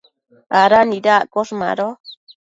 ¿ada nidaccosh? Mado